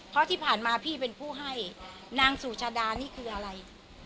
เพราะที่ผ่านมาพี่เป็นผู้ให้นางสุชาดานี่คืออะไร